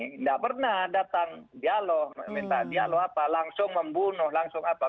tidak pernah datang dialog minta dialog apa langsung membunuh langsung apa